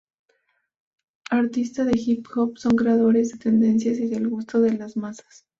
Artistas de hip hop son creadores de tendencias y del gusto de las masas.